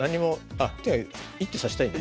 あっ１手指したいんだ。